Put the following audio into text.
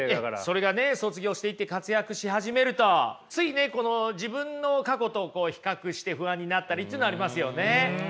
それがね卒業していって活躍し始めるとついねこの自分の過去と比較して不安になったりっていうのありますよね。